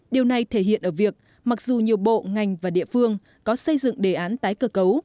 điều này thể hiện ở việc mặc dù nhiều bộ ngành và địa phương có xây dựng đề án tái cơ cấu